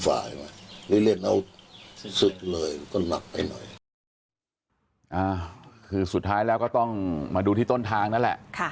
สุดท้ายคือสุดท้ายแล้วก็ต้องมาดูที่ต้นทางนั่นแหละ